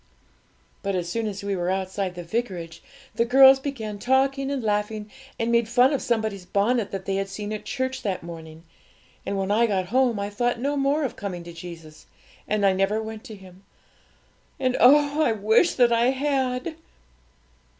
But, as soon as we were outside the vicarage, the girls began talking and laughing, and made fun of somebody's bonnet that they had seen at church that morning. And when I got home I thought no more of coming to Jesus, and I never went to Him; and oh, I wish that I had!'